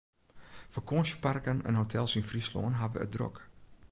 Fakânsjeparken en hotels yn Fryslân hawwe it drok.